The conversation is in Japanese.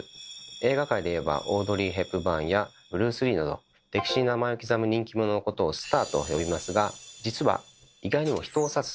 映画界でいえばオードリー・ヘップバーンやブルース・リーなど歴史に名前を刻む人気者のことを「スター」と呼びますが実は意外にもといわれています。